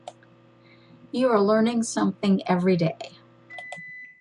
You are learning something every day.